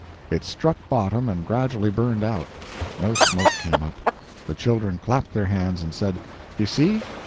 It struck bottom and gradually burned out. No smoke came up. The children clapped their hands and said: "You see!